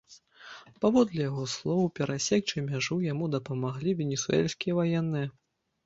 Паводле яго слоў, перасекчы мяжу яму дапамаглі венесуэльскія ваенныя.